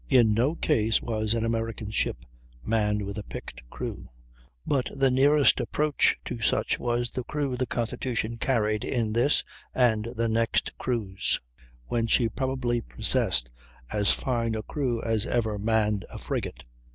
In no case was an American ship manned with a "picked" crew, but the nearest approach to such was the crew the Constitution carried in this and the next cruise, when "she probably possessed as fine a crew as ever manned a frigate.